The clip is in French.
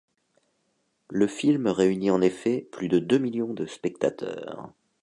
Le film réunit en effet plus de deux millions de spectateurs.